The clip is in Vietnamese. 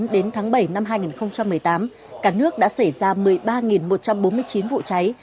đến tháng bảy năm hai nghìn một mươi tám cả nước đã xảy ra một mươi ba một trăm bốn mươi chín vụ cháy